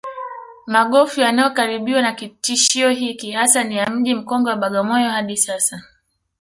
Magofu yanayokabiriwa na kitisho hiki hasa ni ya Mji mkongwe wa Bagamoyo hadi Sasa